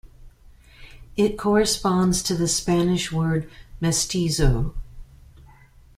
It corresponds to the Spanish word "mestizo".